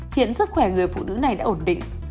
hiện sức khỏe người phụ nữ này đã ổn định